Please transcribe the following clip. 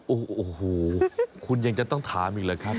โอ้โหคุณยังจะต้องถามอีกเหรอครับ